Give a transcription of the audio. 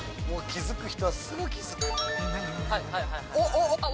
気付く人はすぐ気付く。